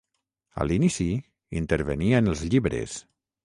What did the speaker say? A l'inici intervenia en els llibres.